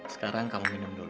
sekarang kamu minum dulu